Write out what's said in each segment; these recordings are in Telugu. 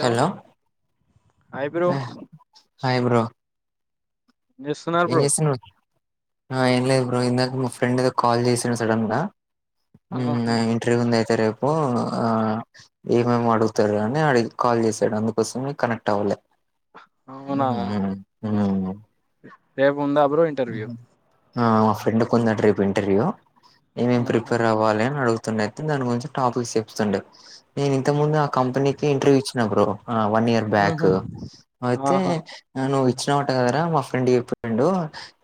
Hello hi bro hi bro ఏం చేస్తున్నారు ఏం బ్రో చేసనావ్ ఏం లేదు బ్రో ఇందాక మా ఫ్రెండ్ద కాల్ చేసా సడన్ గా ఆహా నా ఇంటర్వ్యూ ఉంది అయితే రేపు ఆ ఏమేమి అడుగుతారు అని అడి కాల్ చేసాడు అందుకోసమే కనెక్ట్ అవ్వాలి అవునా ఉమ్ రేపు ఉందా బ్రో ఇంటర్వ్యూ ఆ మా ఫ్రెండ్ కు ఉందంటా రేపు ఇంటర్వ్యూ ఏమేం ఆహా ప్రిపేర్ అవ్వాలి అని అడుగు దాని గురించి టాపిక్స్ చెప్తుండే నేను ఇంత ముందు ఆ కంపెనికి ఇంటర్వూ ఇచ్ బ్రో ఆ వన్ ఇయర్ బ్యాక్ ఉహు అయితే ఆహా నువ్వు ఇచ్చినావట కదరా మా ఫ్రెండ్ ఇ ఫ్రెండు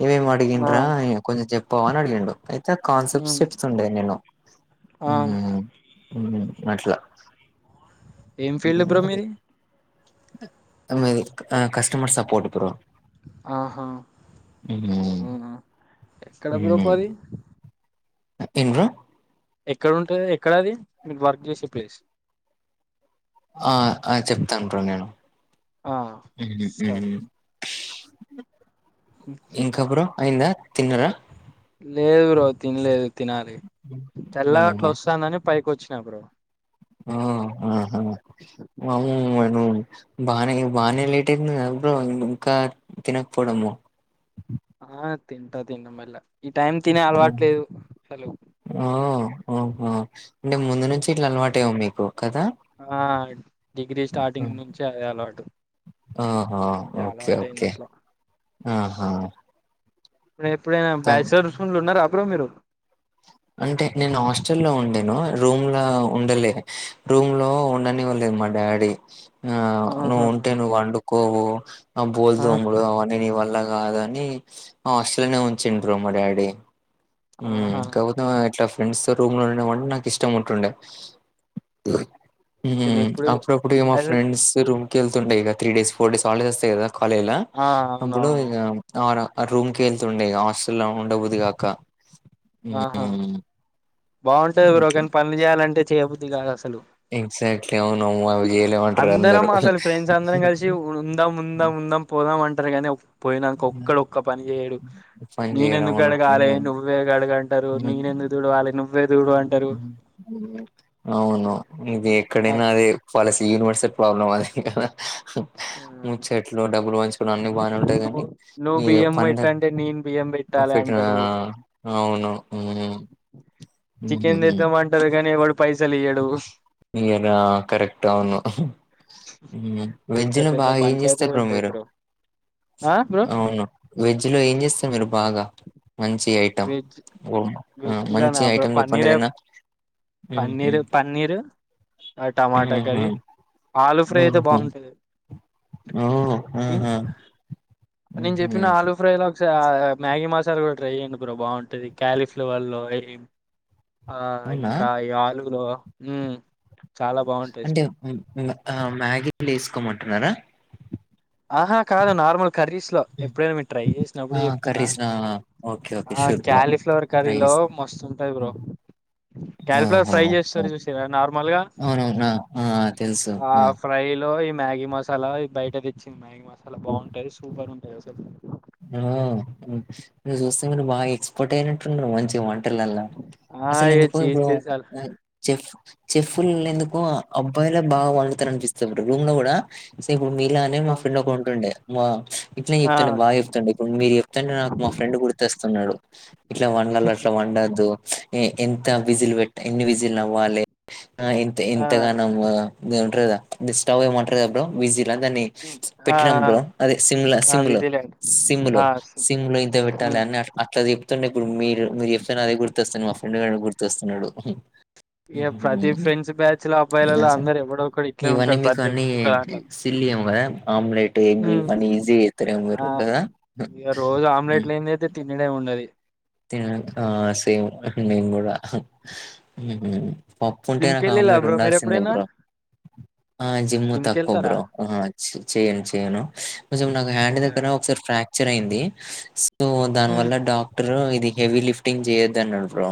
ఇవేం ఆ అడిగిండ్రా కొంచెం చెప్పవా అని అడిగిండు అయితే కాన్సెప్ట్స్ ఉమ్ చెప్తుండే నేను ఆ ఉమ్ ఉమ్ అట్లా ఏం ఫీల్డ్ బ్రో మీది ఉమ్ మీది కస్టమర్స్ సపోటు ఇప్పుడు ఆహా మ్మ్. అవునా ఎక్కడ బ్రో మ్మ్. పాది ఏం ఎక్కడ ఉంటది ఎక్కడ అది మీరు వర్క్ జేసే ప్లేస్ ఆ ఆ చెప్తాన్ బ్రో నేను ఆ సరే ఇంక బ్రో అయిందా తిన్నరా లేదు బ్రో తినలేదు తినాలి తెల్ల అట్ల ఆహా వస్తుందని పైకి వచ్చినా బ్రో ఆ అహ మమ్ బానే బానే లేట్ అయిందిగ బ్రో ఇంకా తినకపోవడము ఆ తింటా తింట మళ్ళా ఈ టైం తినే అలవాటు లేదు హలో ఓ ఓహో అంటే ముందు నుంచి ఇట్లా అలవాటే ఉంది మీకు కదా ఆ డిగ్రీ స్టార్టింగ్ నుంచి అయ్యాల అటు ఆహా ఓకే ఓకే అట్లా ఆహా నేను ఎప్పుడైనా థాంక్ బ్యాచిలర్స్ రూమ్లో ఉన్నార బ్రో మీరు అంటే నేను హాస్టల్లో ఉండేను రూమ్లో ఉండలే రూమ్లో ఉండనివ్వలేదు మా డాడి ఆ నువ్వు ఆహా ఉంటే నువ్వు వండుకోవు ఆ బోల్దోముడు అవన్నీ నీ వల్ల కాద అని హాస్టల్నే ఉంచిం బ్రో మా డాడీ ఉ ఆహా కాపో ఇట్లా ఫ్రెండ్స్ తో రూమ్లో ఉండవా నాకు ఇష్టం ఉంటుండే అసలు ఎప్పుడు అప్పుడప్పుడు ఇగ మా అదే ఫ్రెండ్స్ రూమ్ కెళ్తుంటాయి ఇగ three days four days holidays వస్తాయి గద కాలేజ్ల ఆ అప్పుడు అవునవును ఇగ ఆ రూమ్ కి వెళ్తుండే హాస్టల్లో ఉండబూద్దిగాక ఆహా బాగుంటది బ్రో అట్లా. కానీ పనులు జేయాలంటే చేయబుద్ది కాదుస లు ఎగ్జాక్ట్‌లీ. అవునమ్మో! అవి చేయలేమంటారు అందరం అందరూ. అసలు ఫ్రెండ్స్ అందరం కలిసి ఉందాం ఉందాం ఉందాం పోదామంటారు కానీ పోయినంక ఒక్కడు ఒక్క పని జేయడు పని చేయరు. నేనెందుకు అవును. కడగాలే హ్మ్. నువు నువే కడుగు అంటారు హ్మ్. నేనెందు తుడవాల నువ్వే తుడు అం అవును ఇది ఆ ఎక్కడైనా అదే ఫాలసీ యనివర్స ప్రాబ్లమ్ అది ముచ్చట్లు డబ్బులు వంచుకు అన్ని బానే ఉంటాయి నువ్వు కాని నువ్వు ఈ బియ్యం పండగ పెట్టంటే నేను బియ్యం పెట్టాలి పెట్నా అంటాడు ఆ అవును చికెన్ హుహుహు. తెద్దామంటారు కానీ ఎవడు పైసలు ఇయడు ఇయానా కరెక్ట్ అవును ఆ పెద్ద వెజ్జిలో పెద్ద బాగా ఏం చేస్తారు పంచాయతీలు బ్రో ఉంటాయి మీరు ఆ బ్రో అవును వెజ్ లో ఏం చేస్తారూ మీరు బాగా మంచిగా వెజ్ ఓ వెజ్ మంచి ఐటమ్ చెప్పండి ఏదైనా ఓ పన్నీరు పన్నీరు ఆ టమాటా కర్రీ ఆలు ఫ్రై అయితే బాగుంతుంది ఓ ఆహా నేను హుహు. చెప్పిన ఆలు ఫ్రై లో ఒకసారి మ్యాగీ మసాలా కూడా ట్రై చేయండి కూర బాగుంటుంది క్యాలీఫ్లవర్ లో అవునా ఇంకా ఈ ఆలులో హ్ అంటే హ్ ఆ మ్యాగీ వేసుకో మంటున్నారా ఆహా కాదు నార్మల్ కర్రీస్ లో ఎప్పుడైనా మీరు ట్రై ఆ! చేసినప్పుడు చెప్తున్నా కర్రీస్ ఆ! ఓకే. ఓకే. ఆ షూర్ బ్రో. క్యాలీఫ్లవర్ ట్రై కర్రిలో చేస్తా. మస్తు ఉంటాది బ్రో క్యాలిఫ్లర్ ఓహో! ఫ్రై చేస్తారు ఓహ్! చూసింన్రా నార్మల్గా అవునవునా. ఆ! తెలుసు. ఆ ఫ్రై లో ఈ మ్యాగీ మసాలా ఇది బయట తెచ్చింది. మ్యాగీ మసాలా బాగుంటాది సూపర్ ఉంటది. అసలు ఆ మీరూ చూస్తే మీరు బాగా ఎక్స్పోర్ట్ అయినట్టున్నారు. మంచిగా వంట లల్ల ఆ అసలు ఏ ఎందుకో ఇ చీజ్ చీజ్ చాలు చెఫ్ చెఫ్లు ఎందుకు అబ్బాయిలే బాగా వండుతారు అనిపిస్తది బ్రో రూమ్ లో కూడా సే ఇప్పుడు మీలానే ఆ మా ఫ్రెండ్ ఒకడు ఉంటుండే మా ఇట్లానే చెప్తుండే బాగా ఆ చెప్ ఇప్పుడు మీరు చెప్తుంటే నాకు మా ఫ్రెండ్ గుర్తస్తున్నాడు ఇట్లా వండలో అట్లా వండద్దు. ఎంత విజిలు పెట్టి ఎన్ని విజిలు అవ్వలే ఆ ఎంత ఎంతగానము దెమో అంటారు. గదా థిస్ స్టవ్ ఏమంటారు. గదా బ్రో విజీలా దాన్ని ఆ పెట్టినాము బ్రో అదే సిమ్లా ఆ సింలో విజిలాండ్ సిమ్ లో ఆ సిమ్ లో ఇంత పెట్టాలి అని అట్ల ది మొత్తం. ఇప్పుడు మీరు మీరు చెప్తుంటే అదే గుర్తొస్తాను మా ఫ్రెండ్ గాడే గుర్తొస్తున్నాడు. ఇగ ప్రతి ఫ్రెండ్స్ బ్యాచ్ లో అబ్బాయిలలో హుమ్ సార్ అందరు ఎవడో ఒకడు ఇట్లే ఇవన్నీ ఉంటాడు మీకు ప్రతి అన్నీ ఒక్క దాంట్లో సిల్లీ ఏమో కదా ఆమ్లెట్ ఎగ్ ఇవన్నీ ఈజీ గా చేస్తారూ ఏమో మీరు అ కదా ఇగా రోజు ఆమ్లెట్ లేనీదే అయితే తినుడే ఉండది తిన ఆ సేమ్ మేము గుడా పప్పు ఉంటే జిమ్ నాకు కెళ్ళిలా ఆమ్లెట్ బ్రో మీరు ఉండాల్సిందే ఎప్పుడైనా బ్రో ఆ జిమ్ తక్కువ బ్రో ఆ చెయ్యను చెయను కొంచెం నాకు హ్యాండ్ చెయ్యరా దగ్గర ఒకసారి ఫ్రాక్చర్ అయింది. సో దాని వల్ల డాక్ బ్రో ఇది హెవీ లిఫ్టింగ్ చేయొద్దు అన్నాడు. బ్రో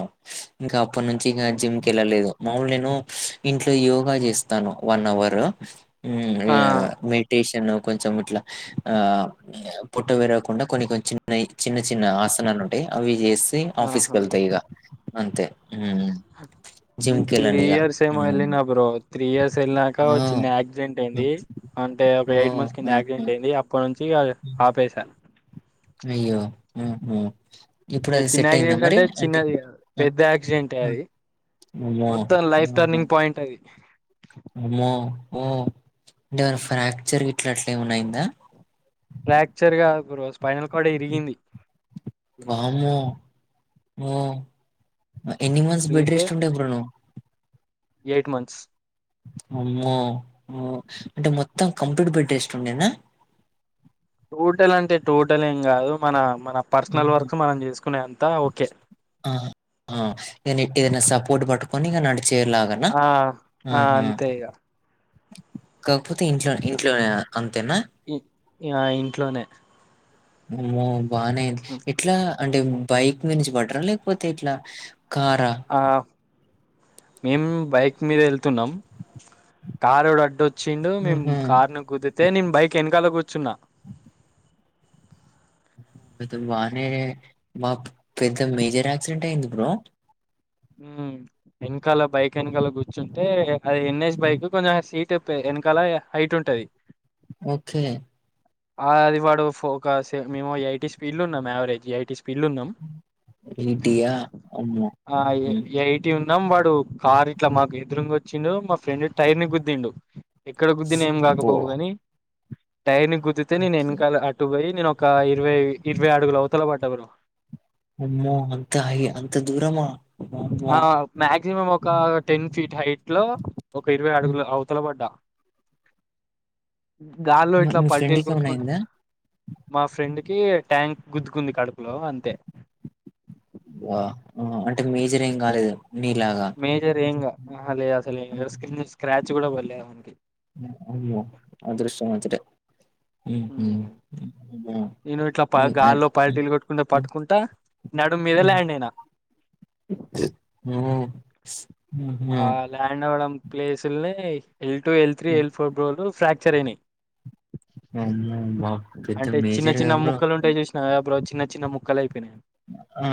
ఇంకా అప్పటి నుంచి ఇగా అవునా జిమ్ కి వెళ్ళలేదు మాములు గా నేను ఇంట్లో యోగా చేస్తాను వన్ అవర్ మె ఆ, మేడి టెషన్ కొంచం ఇట్లా ఆ పోట్ట పేరకుండా కొన్ని కొన్నీ చిన్న చిన్న చిన్న ఆసనాలు ఉం అంటే అవి చేసి ఆఫీస్ క ఆహా వెళ్తాయి ఇగా అంతే ఇగ అ నేను త్రీ ఇయర్స్ ఏమో హ్మ్. వెళ్ళిన బ్రో త్రీ ఇయర్స్ వెల్లినాక ఆ! చిన్న యాక్సిడెంట్ అయింది. హ్మ్. అంటే ఒక ఎయిట్ ఓహ్! మంత్స్ కింద హ్మ్. యాక్సిడెంట్ హ్మ్. అయింది. అప్పటి నుంచి ఇగ హ్మ్. ఆపేశ అయ్యో హ్ హ్ ఇప్పుడు అది చిన్న సెట్ అయిందా యాక్సిడెంట్ మరి అంటే చిన్నది కాదు పెద్ద యాక్సిడెంట్ అది అమ్మో మొత్తం లైఫ్ టర్నింగ్ పాయింట్ అది అమ్మో ఓ అంటే ఏమన్నా ఫ్రాక్చర్ గిట్ల అట్లేమన్న అయిందా ఫ్రాక్చర్ కాదు బ్రో స్పైనల్ కోడ్ హ్మ్. ఇరిగింది వామ్మో మో ఎన్ని మంత్స్ బెడ్ ఇరిగితే రెస్ట్ ఉండే బ్రో నువ్ ఎయిట్ మంత్స్ అమ్మో ఆ అంటే మొత్తం కంప్లిట్ బెడ్ రేస్ట్ ఉండేనా టోటల్ అంటే టోటల్ ఏం కాదు మన మన పర్సనల్ హుహు. వర్క్ మనం చేసుకునే అంతా ఓకే ఆ ఆ నినిట్ట ఏదన్న సపోర్ట్ పట్టుకోని ఇగ నడిచేలగా ఆ ఆ అహ అంతే ఇగ కాకపోతే ఇంట్లో ఇంట్లోనే అంతేనా మ్ ఆ ఇంట్లోనే అమ్మో బానే ఇట్లా అంటే బైక్ మీ నుంచి పడ్రా లేకపోతే ఇట్లా కారా ఆమేము బైక్ మీద వెళ్తున్నాం కారోడ్ అడ్డొచ్ వచ్చిండు మేము ఆహా! కార్ ను గుద్ధితే నేను బైక్ వెనకాల కూర్చున్నా అ బానే మా పెద్ద మేజర్ యాక్సిడెంట్ అయింది బ్రో మ్ వెనకాల బైక్ వెనకాల కూర్చుంటే అది ఎన్ేస్ హ్మ్. బైక్ కొంచెం అది సీట్ ట్ ప్పే వెనకాల హైట్ ఉంటది ఓకే ఆ అది వాడు ఒక మేము ఏయిటీ స్పీడ్ల ఉన్నాము యావరేజ్ ఐటీ స్పీ పిళ్ల్లున్నాం ఈటీయా? అమ్మో! ఆ హుహు. ఎట్ టున్నాం వాడు కార్ ఇట్లా మాకు ఎదురుంగోచ్చిండు మా ఫ్రెండ్ టైర్ ని గుద్దిీండు ఎక్కడ గుద్దీనా ఏం అబ్బో! కాకపోవుగాని టైర్ ని గు తే నేను వెనకాల అటు పోయి నేను ఒక ఇరవై ఇరవై అడుగుల అవుతల పడ్డ బ్రో [inaudible] అమ్మో అంత హై అంత దూరమా ఆ వామ్మో ట్లో ఒక ఇరవై హ్మ్. అడుగుల అవ్ తల పడ్డా గాళ్ళో మీ ఇట్లా మీ పల్టీలు ఫ్రెండ్‌కి ఏమైనా కొట్టుకుంటా అయిందా? మా ఫ్రెండ్ కి ట్యాంక్ గుద్దుకుంది కడుపులో అంతే వా అంటే మేజర్ ఏం కాలేదు నీలాగా మేజర్ ఏం కాద్ అహా లేదు అసలు స్క్రన్ స్క్రాచ్ కూడా పడలేదు వానికి వామ్మో అదృష్టం వంతుడే మ్ హ్మ్. హు ఆ నేను ఇట్లా గాల్లో పల్టీళ్లు కొట్టుకుంట ఉమ్, పట్టుకుంటా నడు మీద ల్యాండ్ అయినా మ్ ఆ ల్యాండ్ అవ్వడం ప్లేసుల్నే ఎల్ టూ ఎల్ త్రీ ఉమ్, ఎల్ ఫోర్ బ్రోలు ఫ్రాక్చర్ అయినాయి అమ్మో బా పెద్ద అంటే చిన్న మేజర్ కదా చిన్న బ్రో ముక్కలు ఉంటాయి చూస్ ఆ బ్రో చిన్న చిన్న ముక్కలు అయిపోయినాయి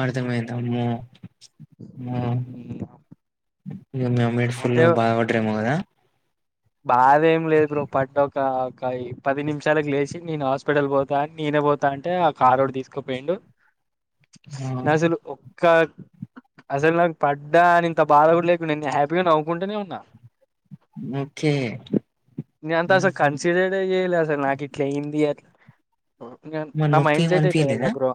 అర్థమయిందామ్మో ఆ హ్మ్. ఇగ మీ అమ్మ ల్ ఫుల్ అంటే బాదాపడ్డారేమో కదా బాధ ఏం లేదు బ్రో పడ్డ ఒక ఒకయ్ పది నిమిషాలకు లేచి నేను హాస్పిటల్ పోతా నేనే పోతా అంటే ఆ కారోడు కూడా తీసుకపోయిండు ఆ, నేన్ అసలు ఇంకా అసలు నాకు పడ్డా అని ఇంత బాధ కూడా లేకుండే నేను హ్యాపీగా నవ్వుకుంటనే ఉన్నా ఓకే నేనంత ఉమ్, అసలు ఉమ్. కన్సిడర్డ్ చేయలే అసలు నాకు ఇట్లా అఇంది అట్ మరి నా నొప్పి మైండ్ ఏం సెట్ ఎట్లా తెలుసా అనిపియలేదా బ్రో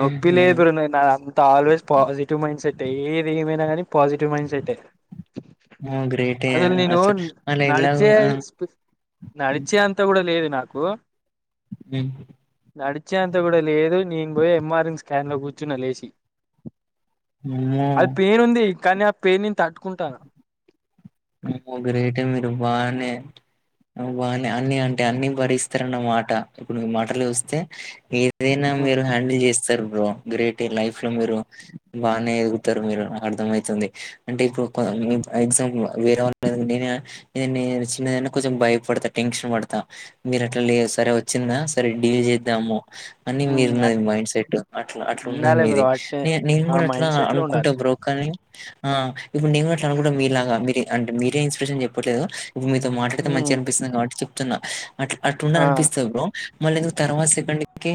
నొప్పిలేదు నాకు ఆల్వేస్ పాజిటివ్ మైండ్ సెట్ ఏది ఏమైనా కాని పాజిటివ్ మైండ్ సెట్టే ఆ గ్రేట ఏ అసలు టోన్ అలా ఎలా నడిచే ఉమ్, నడిచే అంత కూడా లేదు నాకు ఆమ్ నడిచేంత కూడా లేదు నేను పోయి ఎంఆర్ ఎన్ స్కాన్ లో కూర్చున్న లేచి అమ్మో అది పెయిన్ ఉంది కానీ ఆ పెయిన్ని తట్టుకుంటా ఆమ్ గ్రేట్ ఏ మీరు బానే అన్ని అంటే అన్ని భరిస్తారన్న మాట ఇప్పుడు మాటలు చూస్తే ఏ దేన్ని నన్నా ఉమ్ మీరు హ్యాండిల్ చేస్తారు బ్రో గ్రేట్ ఏ లైఫ్ లో మీరు బానే ఎదుగుతారు మీరు అర్థమయితుంది అంటే ఇప్పుడు ఎగ్జాంపుల్ వేరే వాల్లా నేను నేని వచ్చిన కొంచెం భయపడతా టెన్షన్ పడతా మీరు అట్లా లే సరే వచ్చిందా సరే డీల్ చేద్దాము అని ఉమ్ మీరున్నది అట్ మైండ్ సెట్ లో అట్లా అట్లా ఉన్నది ఉండాలి బ్రో మీది అట్నే న నేను ఆ కూడా అట్లా మైండ్ సెట్ లో ఉండాలి అనుకుంటా బ్రో కానీ ఆ ఇప్పుడు నేను అట్లా అనుకుంట మీలాగా మీరు అంటే మీరే ఇన్స్పిరేషన్ చెప్పట్లేదు ఇప్పుడు మీతో మాట్లాడితే ఉమ్ మంచిగా అనిపిస్తుంది కాబట్టి చెప్తున్నా అ అట్లా ఉండాలి ఆ అనిపిస్తుంది బ్రో మళ్ళీ ఎందుకు తర్వాత సెకండ్కి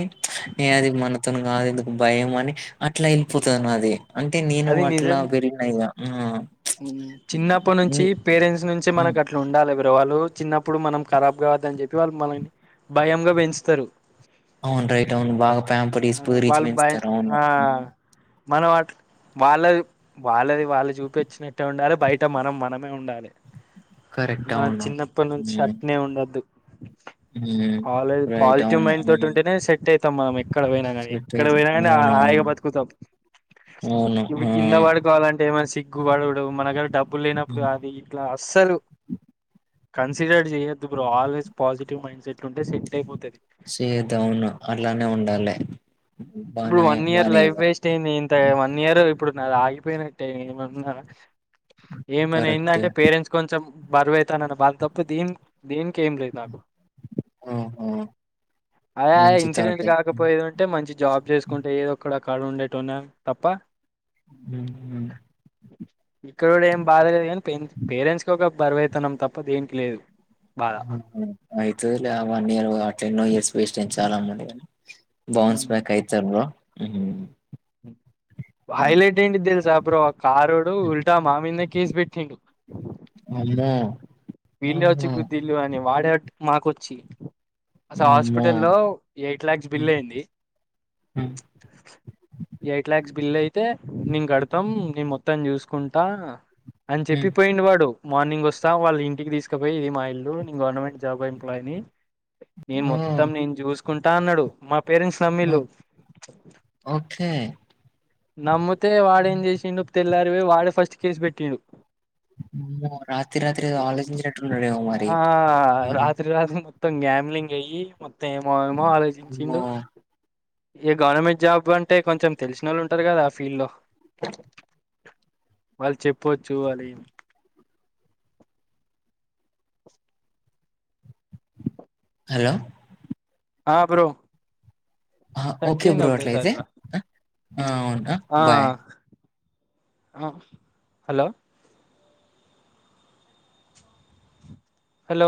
అది మనతోని కాదు ఎందుకు భయం అని అట్లా వెళ్ళిపోతాది నాది అంటే నేను అది అట్లా నిజం పెరిగిన ఇగా ఉమ్ ఉమ్ చిన్నప్పటి నుంచి వచ్చి పేరెంట్స్ నుంచి హ్మ్. మనకు అట్లా ఉండాలి బ్రో వాళ్ళు చిన్నప్పుడు మనం ఖరాబ్ కావద్దని చెప్పి వాళ్ళు మనల్ని భయంగా పెంచుతారు అవును రైట్ అవును బాగా ప్యాం ఆ పడిసి ప రీచి [unintelligible] వాళ్ళు భయం పెంచుతారు అవును ఆ మనం వాళ్ళది వాళ్ళది వాళ్ళు చూపెట్టు నచ్చినట్టే ఉండాలి బయట మనం మనమే ఉండాలి కరెక్ట్ మన అవును. చిన్నప్పటి నుంచి హ్మ్. అట్నే ఉండోదు హ్మ్. ఆల్వేస్ రైట్ పాజిటివ్ అవును. మైండ్ తోటి హ్మ్. ఉంటేనే సెట్ అయితాం మనం ఎక్కడ పోయినా కానీ ఏక్కడ సెటైజ్ పోయినా కూడా అవునవును. హయిగా బతుకుతాం అవును. ఇప్పుడు ఆ! కింద పడుకోవాలంటే ఏమన్నా గువ్వ బడడు మన దగ్గర డబ్బులు లేనప్పుడు హ్మ్. అది ఇట్లా అస్సలు కన్సిడర్ చేయొద్దు bro always positive mindset ఉంటే సెట్ అయిపోతాది చేయొద్దు అవును అట్లానే ఉండాలే ఇప్పుడు బానే వన్ ఇయర్ బానే ఇగా [unintelligible] ఇంత వన్ ఇయర్ ఇప్పుడు నాది ఆగిపోయినట్టే ఏమన్నా ఏమయింది కరెక్టే. అంటే పేరెంట్స్ కొంచెం బరువైతునారని బాద తప్పితే దీ దీనికి ఏం లేదు నాకు ఓహో! అవ ఆ మంచి ఇన్సిడెంట్ థాటే. హ్మ్. కాకపోయి ఉంటే అంటే మంచి జాబ్ చేసుకుంటే ఏదోక్కడ అక్కడ ఉండేటోనే తప్ప హమ్ హా ఇక్కడ ఏం బాధలేదు కానీ పేరెంట్స్ క ఒక బరువైతున్నాం తప్ప తప్ప దేనికి లేదు బాధ హమ్ అయిత దిలే ఆవన్ ఇయర్ అట్లా ఎన్నో ఇయర్స్ వేస్ట్ అయ్యింది చాలా మందికి గాని బౌన్స్ బ్యాక్ అయితావ హమ్ హై లైట్ ఏంది తెలుసా బ్రో ఆ కారోడు ఉల్టా మా మీద కేస్ పెట్టిండు అమ్మో వీళ్ళ వచ్చి ఆహా! గుద్దిలు అని వాడే మాకొచ్చి అసలు అమ్మో! హాస్పిటల్ లో ఎయిట్ లాక్స్ హ్మ్. బిల్ అయింది [inaudible] ఎయిట్ లాక్స్ బిల్లైతే నేన్ గడుతాం నేన్ మొత్తం జూస్కుంటా అన్ చెప్పి హ్మ్. పోయిండు వాడు మార్నింగొస్తా వాళ్ళు ఇ టికి దీస్కపొయ్యి ఇది మా ఇల్లు నేన్ గవర్నమెంట్ జాబ్ ఎంప్లాయిని నేన్ మొత్తం ఓహ్! నేన్ జూస్ కుంటా అన్నాడు మా పేరెంట్స్ నమ్మిళ్ళు ఓహ్! ఓకే నమ్ముతే వాడేం జేసిండు తెల్లారివొయ్ వాడే ఫస్ట్ కేస్ బెట్టిండు అమ్మో! రాత్రి రాత్రి ఏదో ఆలోచించినట్టున్నాడేమో మరి. ఆ మరి రాత్రి రాత్రింగ్ మొత్తం గ్యామ్లింగ్ అయ్యి మొత్తేమో ఏమో అమ్మో! ఆలోచించిండు ఇగ గవర్నమెంట్ జాబు అంటే కొంచం తెల్సినోళ్ళు వుంటరు గదా ఆ ఫీల్లో వాళ్ళ్ చెప్పొచ్చు అని హలో ఆ బ్రో ఆహ స్టక్ ఓకే అయింది బ్రో ఒకటేసారి అట్లైతే రా ఆ అవునా ఆ బాయ్. అహ హలో హలో